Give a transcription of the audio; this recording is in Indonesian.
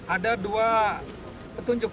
ada dua petunjuk